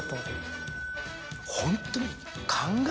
ホントに。